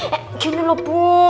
eh gini loh bu